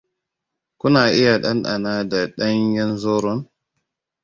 Kuna iya ɗanɗana da ɗanyen zoron?